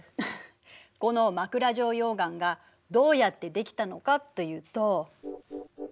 この枕状溶岩がどうやってできたのかと言うと。